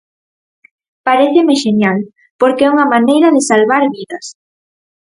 Paréceme xenial, porque é unha maneira de salvar vidas.